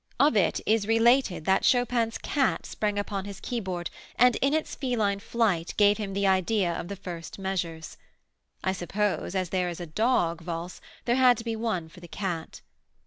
Of it is related that Chopin's cat sprang upon his keyboard and in its feline flight gave him the idea of the first measures. I suppose as there is a dog valse, there had to be one for the cat.